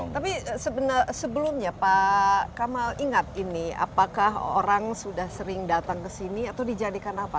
tapi sebelumnya pak kamal ingat ini apakah orang sudah sering datang ke sini atau dijadikan apa